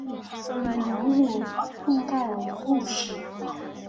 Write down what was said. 以卢汝弼代为副使。